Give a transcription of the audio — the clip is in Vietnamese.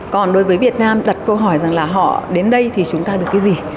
còn đối với việt nam đặt câu hỏi rằng là họ đến đây thì chúng ta được cái gì